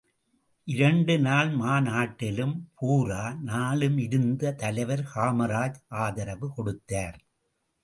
இரண்டு நாள் மாநாட்டிலும், பூரா நாளும் இருந்து தலைவர் காமராஜ் ஆதரவு கொடுத்தார்.